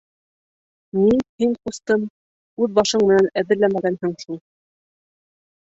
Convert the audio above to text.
— Ни, һин, ҡустым, үҙ башың менән әҙерләмәгәнһең шул.